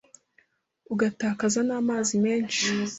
ugatakaza n’amazi menshi.